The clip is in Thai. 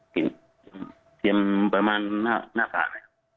ปิดเตรียมประมาณหน้าผ่าน